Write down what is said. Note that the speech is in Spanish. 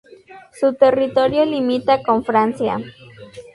Su territorio limita con Francia.